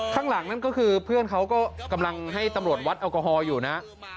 ข้างหลังนั่นก็คือเพื่อนเขาก็กำลังให้ตำรวจวัดแอลกอฮอลอยู่นะ